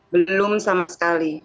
belum sama sekali